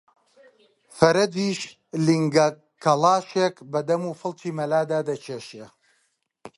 فەرەجیش لینگە کەڵاشێک بە دەم و فڵچی مەلادا دەکێشێ